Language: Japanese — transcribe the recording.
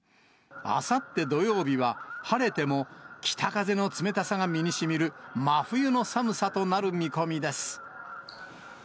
あさって土曜日は、晴れても北風の冷たさが身にしみる、真冬の寒さとなる見込みです。